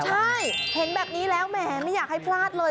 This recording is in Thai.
ใช่เห็นแบบนี้แล้วแหมไม่อยากให้พลาดเลย